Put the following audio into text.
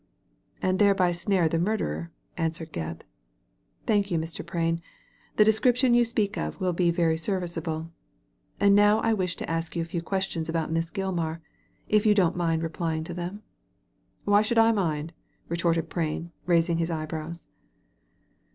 "And thereby snare the murderer,'* answered Gebb. " Thank you, Mr, Prain ; the description you speak of will be very serviceable. And now I wish to ask you a few questions about Miss Gilmar, if you don't mind replying to them ?•* "Why should I mind ?" retorted Prain, raising his eyebrows.